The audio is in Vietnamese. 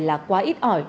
là quá ít ỏi